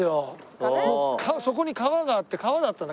そこに川があって川だったんだ。